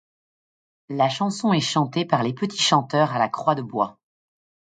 La chanson est chantée avec les Petits chanteurs à la Croix de bois.